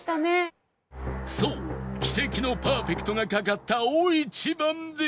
そう奇跡のパーフェクトがかかった大一番で